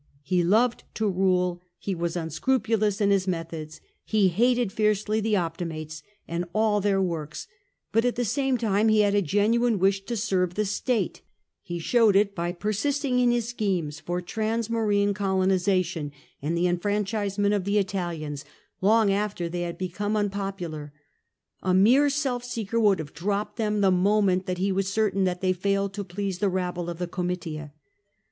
He loved to rule, he was unscrupulous in his methods, he hated fiercely the Optimates and all their works ; but at the same time he had a genuine wish to serve the state; he showed it by persisting in his 88 CAIUS GRACCHUS schemes for transmarine colonisation and the enfranchise ment of the Italians long after they had become unpopular. A mere self seeker would have dropped them the moment that he was certain that they failed to please the rabble of the Comitia.